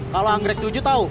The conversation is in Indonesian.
kalau anggrek tujuh tahu